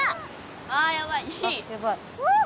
あやばい。